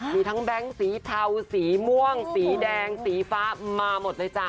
มีทั้งแบงค์สีเทาสีม่วงสีแดงสีฟ้ามาหมดเลยจ้ะ